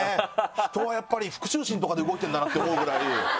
人はやっぱり復讐心とかで動いてるんだなって思うぐらい。